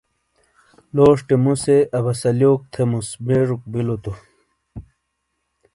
لوشٹے مُوسے عباس علیوک تھیموس بیژوک بلو تو۔